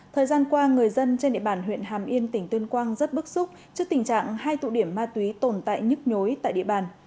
thời gian qua người dân trên địa bàn huyện hàm yên tỉnh tuyên quang rất bức xúc trước tình trạng hai tụ điểm ma túy tồn tại nhức nhối tại địa bàn